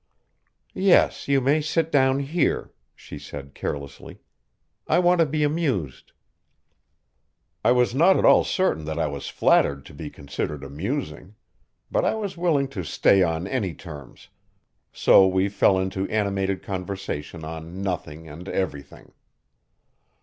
"Yes, you may sit down here," she said carelessly. "I want to be amused." I was not at all certain that I was flattered to be considered amusing; but I was willing to stay on any terms, so we fell into animated conversation on nothing and everything.